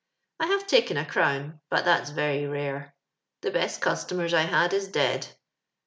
I have taken a crown — but that's very rare. The best customers I had is dead. I